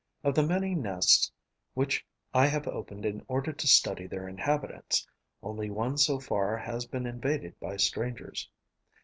Of the many nests which I have opened in order to study their inhabitants, only one so far has been invaded by strangers.